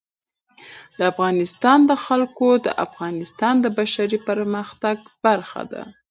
د افغانستان جلکو د افغانستان د بشري فرهنګ برخه ده.